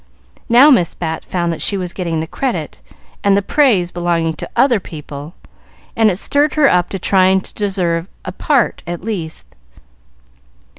Now Miss Bat found that she was getting the credit and the praise belonging to other people, and it stirred her up to try and deserve a part at least.